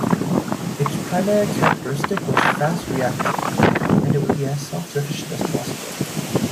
Its primary characteristic was fast reaction, and it would be as self-sufficient as possible.